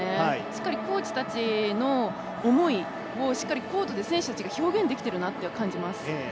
しっかりコーチたちの思いをコートで選手たちが表現できているなと感じます。